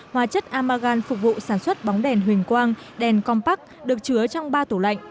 hòa chất amargan phục vụ sản xuất bóng đèn huỳnh quang đèn compact được chứa trong ba tủ lạnh